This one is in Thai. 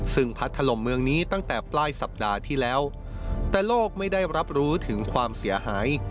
ซึ่งพัดถล่มเมืองนี้ตั้งแต่ปลายสัปดาห์ที่แล้วแต่โลกไม่ได้รับรู้ถึงความเสียหาย